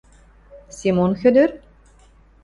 – Семон Хӧдӧр?